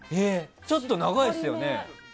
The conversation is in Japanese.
ちょっと長いですよね